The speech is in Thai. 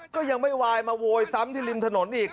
ก็ยังไม่วายมาโวยซ้ำที่ริมถนนอีก